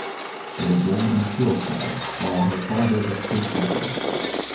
She was born in Shropshire while her father was stationed there.